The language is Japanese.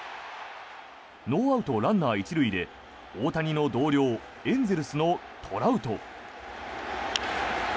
ノーアウト、ランナー１塁で大谷の同僚エンゼルスのトラウト。